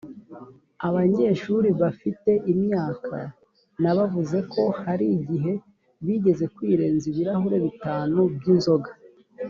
abanyeshuri bafite imyaka na bavuze ko hari igihe bigeze kwirenza ibirahuri bitanu by inzoga